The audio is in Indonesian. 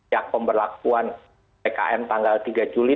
ya pemberlakuan pkm tanggal tiga juli